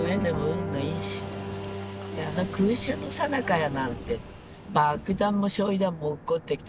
空襲のさなかやなんて爆弾も焼い弾も落っこってきて。